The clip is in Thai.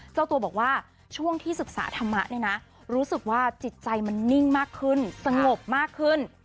เจ้าตัวบอกว่าช่วงที่ศึกษาธรรมะเนี่ยนะรู้สึกว่าจิตใจมันนิ่งมากขึ้นสงบมากขึ้น